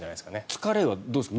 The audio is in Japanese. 疲れはどうですか？